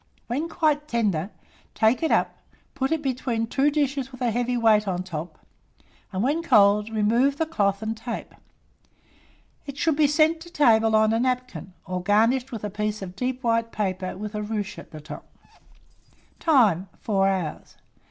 When quite tender, take it up, put it between 2 dishes with a heavy weight on the top, and when cold, remove the cloth and tape. It should be sent to table on a napkin, or garnished with a piece of deep white paper with a ruche at the top. Time. 4 hours.